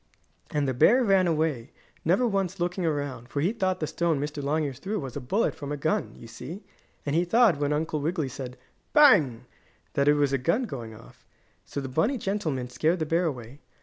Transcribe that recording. And the bear ran away, never once looking around, for he thought the stone Mr. Longears threw was a bullet from a gun, you see, and he thought when Uncle Wiggily said "Bang!" that it was a gun going off. So the bunny gentleman scared the bear away.